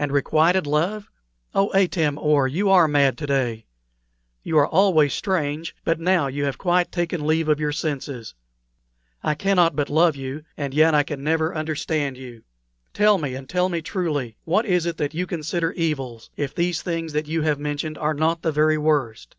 And requited love! Oh, Atam or, you are mad to day! You are always strange, but now you have quite taken leave of your senses. I cannot but love you, and yet I can never understand you. Tell me, and tell me truly, what is it that you consider evils, if these things that you have mentioned are not the very worst?"